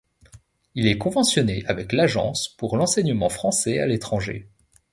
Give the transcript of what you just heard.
Il est conventionné avec l'Agence pour l'enseignement français à l'étranger.